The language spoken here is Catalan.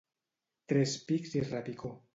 Tres pics i repicó.